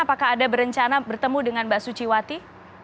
apakah ada berencana bertemu dengan mbak suciwati